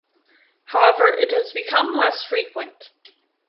However it has become less frequent.